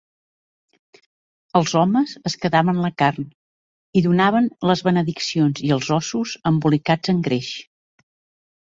Els homes es quedaven la carn i donaven les benediccions i els ossos embolicats en greix.